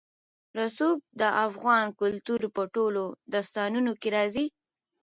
رسوب د افغان کلتور په ټولو داستانونو کې راځي.